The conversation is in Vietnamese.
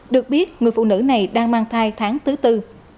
được biết người phụ nữ này đang mang thai tháng thứ tư